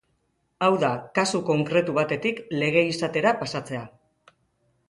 Hau da, kasu konkretu batetik lege izatera pasatzea.